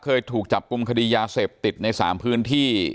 เคยถูกจับกลุ่มคดียาเสพติดใน๓พื้นที่